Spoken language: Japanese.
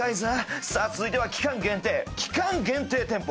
さあ続いては期間限定期間限定店舗